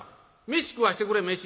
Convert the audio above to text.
飯食わしてくれ飯」。